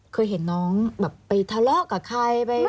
เคยเห็นน้องแบบไปทะเลาะกับใครไปตีกับใคร